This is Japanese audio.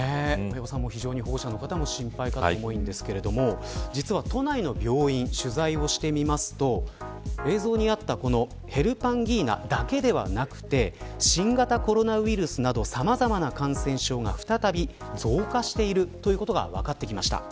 保護者の方も心配かと思いますが実は都内の病院に取材をしてみると映像にあったヘルパンギーナだけではなく新型コロナウイルスなどさまざまな感染症が、再び増加しているということが分かってきました。